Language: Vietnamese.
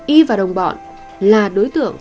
y và đồng bọn là đối tượng